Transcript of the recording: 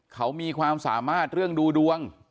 เขามีความสามารถเรื่องดูดวง